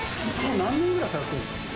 何年ぐらい通ってるんですか？